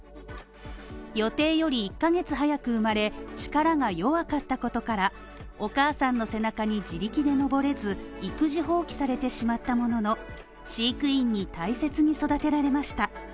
予定より１ヶ月早く生まれ、力が弱かったことから、お母さんの背中に自力で登れず、育児放棄されてしまったものの飼育員に大切に育てられました。